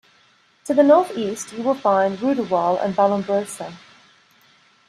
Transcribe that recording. To the north east you will find Roodewal and Vallombrosa.